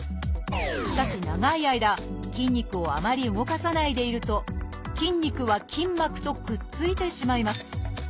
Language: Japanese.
しかし長い間筋肉をあまり動かさないでいると筋肉は筋膜とくっついてしまいます。